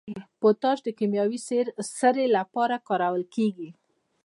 پوټاش د کیمیاوي سرې لپاره کارول کیږي.